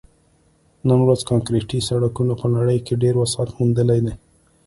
نن ورځ کانکریټي سړکونو په نړۍ کې ډېر وسعت موندلی دی